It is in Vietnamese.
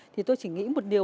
thì tôi chỉ nghĩ một điều